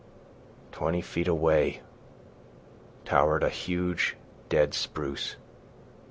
Twenty feet away towered a huge dead spruce.